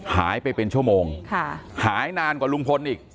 หายไปเป็นชั่วโมงหายนานกว่าลุงพลอีก